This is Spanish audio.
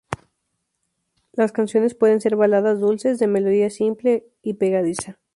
Las canciones pueden ser baladas dulces, de melodía simple y pegadiza.